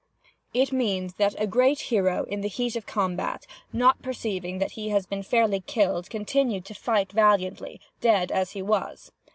It means that a great hero, in the heat of combat, not perceiving that he had been fairly killed, continued to fight valiantly, dead as he was.